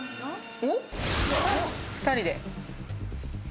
２人で。